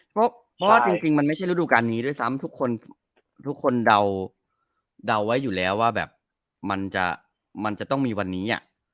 เพราะว่าจริงมันไม่ใช่ฤดูการนี้ด้วยซ้ำทุกคนทุกคนเดาไว้อยู่แล้วว่าแบบมันจะต้องมีวันนี้